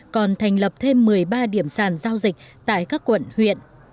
còn thành lập thêm một mươi ba điểm sàn giao dịch tại các quận huyện